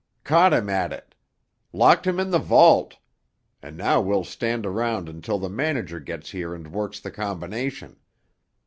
"Caught him at it! Locked him in the vault! And now we'll stand around until the manager gets here and works the combination.